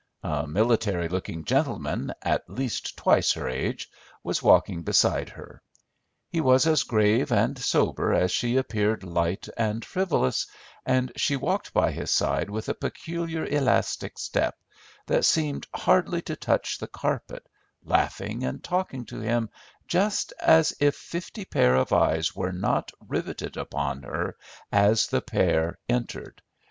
A military looking gentleman, at least twice her age, was walking beside her. He was as grave and sober as she appeared light and frivolous, and she walked by his side with a peculiar elastic step, that seemed hardly to touch the carpet, laughing and talking to him just as if fifty pair of eyes were not riveted upon her as the pair entered.